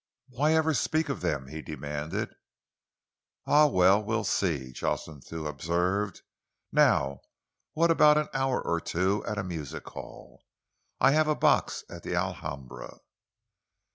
"Why ever speak of them?" he demanded. "Ah, well, we'll see," Jocelyn Thew observed. "Now what about an hour or two at a music hall? I have a box at the Alhambra."